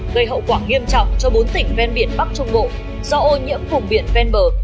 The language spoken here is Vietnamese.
gây hậu quả nghiêm trọng cho bốn tỉnh ven biển bắc trung bộ do ô nhiễm vùng biển ven bờ